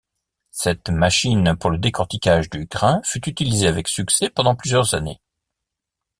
Cette machine pour le décorticage du grain fut utilisée avec succès pendant plusieurs années.